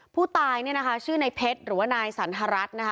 ผู้ตายเนี่ยนะคะชื่อในเพชรหรือว่านายสันทรัฐนะคะ